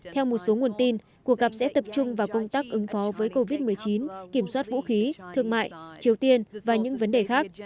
theo một số nguồn tin cuộc gặp sẽ tập trung vào công tác ứng phó với covid một mươi chín kiểm soát vũ khí thương mại triều tiên và những vấn đề khác